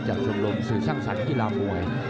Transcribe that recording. จากส่วนลมสื่อสร้างสรรคียามวย